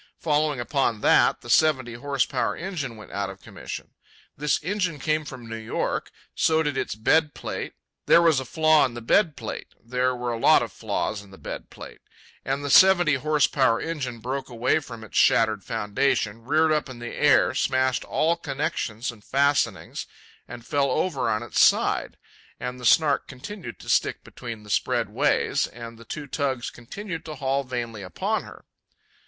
Following upon that, the seventy horse power engine went out of commission. This engine came from New York; so did its bed plate; there was a flaw in the bed plate; there were a lot of flaws in the bed plate; and the seventy horse power engine broke away from its shattered foundations, reared up in the air, smashed all connections and fastenings, and fell over on its side. And the Snark continued to stick between the spread ways, and the two tugs continued to haul vainly upon her.